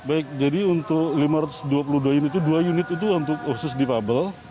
baik jadi untuk lima ratus dua puluh dua unit itu dua unit itu untuk khusus difabel